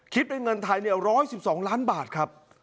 คิดเป็นเงินไทย๑๑๒ล้านบาทครับ